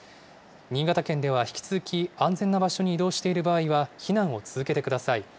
新潟県では引き続き、安全な場所に移動している場合は、避難を続けてください。